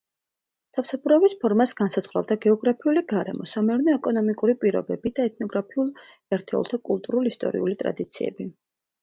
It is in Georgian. თავსაბურავის ფორმას განსაზღვრავდა გეოგრაფიული გარემო, სამეურნეო-ეკონომიკური პირობები და ეთნოგრაფიულ ერთეულთა კულტურულ-ისტორიული ტრადიციები.